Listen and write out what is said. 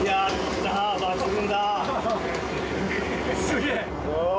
すげえ。